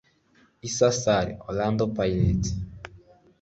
Issa Sarr (Orlando Pirates